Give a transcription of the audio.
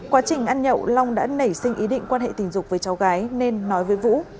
quá trình ăn nhậu long đã nảy sinh ý định quan hệ tình dục với cháu gái nên nói với vũ